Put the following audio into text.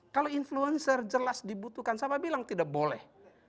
kalau influencer jelas dibutuhkan siapa bilang tidak boleh